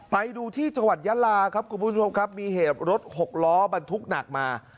ไปดูที่จังหวัดยาลาครับครับมีรถรถ๖ล้อบาทพลุกหนักมา